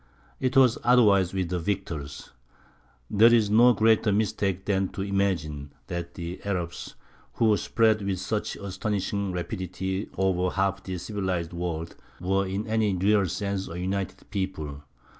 It was otherwise with the victors. There is no greater mistake than to imagine that the Arabs, who spread with such astonishing rapidity over half the civilized world, were in any real sense a united people.